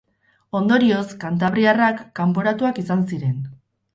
Ondorioz, kantabriarrak kanporatuak izan ziren.